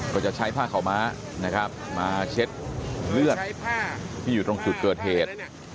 ก็จะใช้ผ้าขาวม้านะครับมาเช็ดเลือดที่อยู่ตรงจุดเกิดเหตุ